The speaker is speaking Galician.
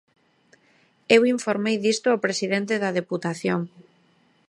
Eu informei disto ao presidente da Deputación.